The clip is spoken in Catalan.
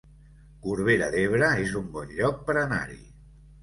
Corbera d'Ebre es un bon lloc per anar-hi